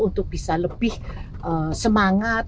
untuk bisa lebih semangat